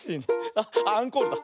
あっアンコールだ。